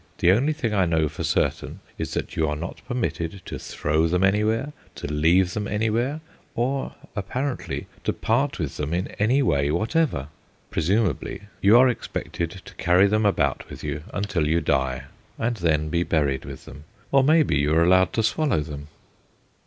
The only thing I know for certain is that you are not permitted to throw them anywhere, to leave them anywhere, or apparently to part with them in any way whatever. Presumably, you are expected to carry them about with you until you die, and then be buried with them; or, maybe, you are allowed to swallow them.